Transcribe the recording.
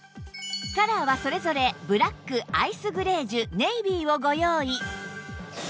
カラーはそれぞれブラックアイスグレージュネイビーをご用意